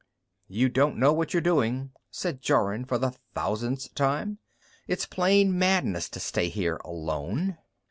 "You don't know what you're doing," said Jorun for the thousandth? time. "It's plain madness to stay here alone."